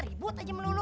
ribut aja melulu